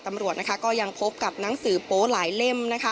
ตำรวจยังพบกับหนังสือโป๊ะหลายเล่ม